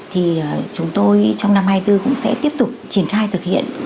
thì chúng tôi trong năm hai nghìn hai mươi bốn cũng sẽ tiếp tục triển khai thực hiện